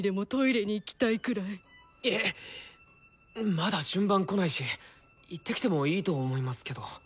まだ順番来ないし行ってきてもいいと思いますけど。